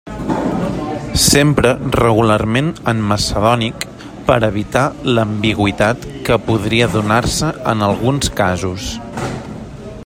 S'empra regularment en macedònic per evitar l'ambigüitat que podria donar-se en alguns casos.